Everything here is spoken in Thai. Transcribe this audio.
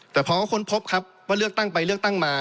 แต่พอก็ค้นพบครับว่าเลือกตั้งไปเลือกตั้งมา